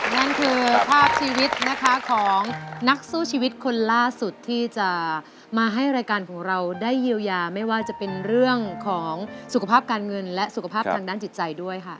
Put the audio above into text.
นั่นคือภาพชีวิตนะคะของนักสู้ชีวิตคนล่าสุดที่จะมาให้รายการของเราได้เยียวยาไม่ว่าจะเป็นเรื่องของสุขภาพการเงินและสุขภาพทางด้านจิตใจด้วยค่ะ